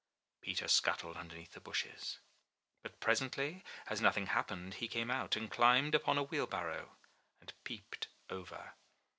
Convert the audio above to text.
Peter scuttled underneath the bushes. But presently as nothing happened, he came out, and climbed upon a wheel barrow, and peeped over.